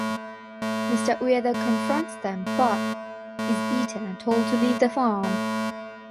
Mister Ueda confronts them but is beaten and told to leave the farm.